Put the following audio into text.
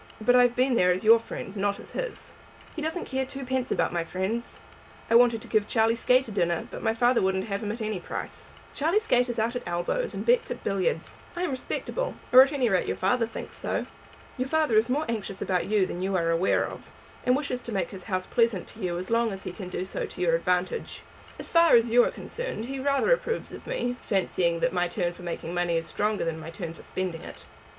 But I have been there as your friend, not as his." "He doesn't care twopence about my friends. I wanted to give Charlie Skate a dinner, but my father wouldn't have him at any price." "Charlie Skate is out at elbows, and bets at billiards. I am respectable, or at any rate your father thinks so. Your father is more anxious about you than you are aware of, and wishes to make his house pleasant to you as long as he can do so to your advantage. As far as you are concerned he rather approves of me, fancying that my turn for making money is stronger than my turn for spending it.